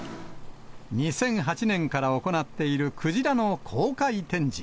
２００８年から行っているくじらの公開展示。